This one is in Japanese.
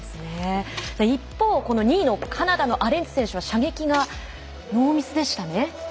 一方、この２位のカナダのアレンツ選手は射撃がノーミスでしたね。